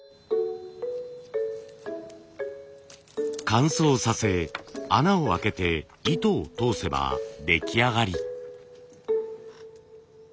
乾燥させ穴を開けて糸を通せば出来上がり。